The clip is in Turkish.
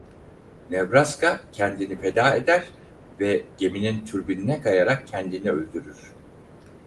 Nebraska kendini feda eder ve geminin türbinine kayarak kendini öldürür.